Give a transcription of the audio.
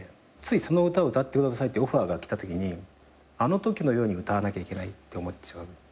その歌を歌ってくださいってオファーが来たときにあのときのように歌わなきゃいけないって思っちゃう。